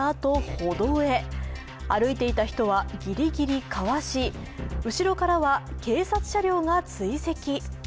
歩いていた人はぎりぎりかわし後ろからは警察車両が追跡。